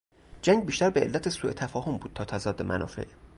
جنگ بیشتر به علت سوتفاهم بود تا تضاد منافع